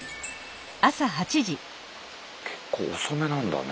結構遅めなんだね